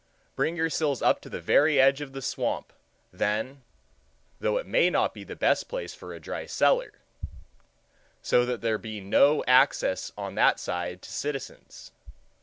Bring your sills up to the very edge of the swamp, then (though it may not be the best place for a dry cellar,) so that there be no access on that side to citizens.